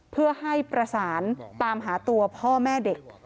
เพื่อให้ประสานตามหาตัวพ่อแม่เด็ก